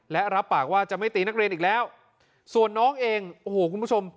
และรับปากว่าจะไม่ตีนักเรียนอีกแล้วส่วนน้องเองโอ้โหคุณผู้ชม